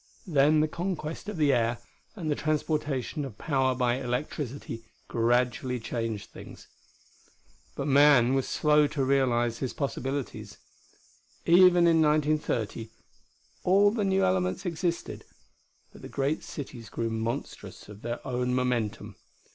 Then the conquest of the air, and the transportation of power by electricity, gradually changed things. But man was slow to realize his possibilities. Even in 1930, all the new elements existed; but the great cities grew monstrous of their own momentum.